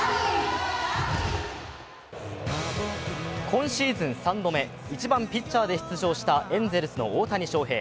今シーズン３度目、１番・ピッチャーで出場したエンゼルスの大谷翔平。